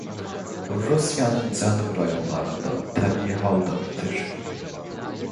Rusiyanın cənub rayonlarında təbii halda bitir.